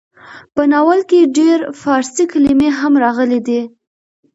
په ناول کې ډېر فارسي کلمې هم راغلې ډي.